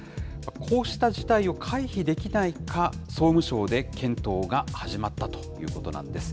こうした事態を回避できないか、総務省で検討が始まったということなんです。